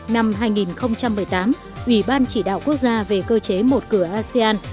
năm hai nghìn một mươi tám ủy ban chỉ đạo quốc gia về cơ chế một cửa asean